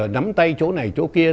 nắm tay chỗ này chỗ kia